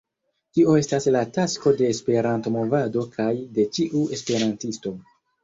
Tio estas la tasko de la Esperanto-movado kaj de ĉiu esperantisto.